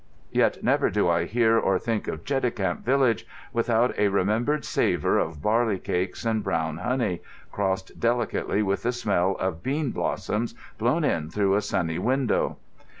Yet never do I hear or think of Cheticamp village without a remembered savour of barley cakes and brown honey, crossed delicately with the smell of bean blossoms blown in through a sunny window.